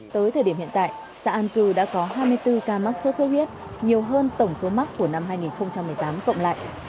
tới thời điểm hiện tại xã an cư đã có hai mươi bốn ca mắc sốt xuất huyết nhiều hơn tổng số mắc của năm hai nghìn một mươi tám cộng lại